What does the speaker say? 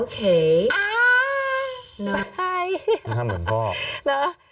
คุณแม่ก็เรียกที่วันนี้